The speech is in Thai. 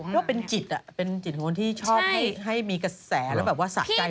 ว่าเป็นจิตเป็นจิตของคนที่ชอบให้มีกระแสแล้วแบบว่าสะใจ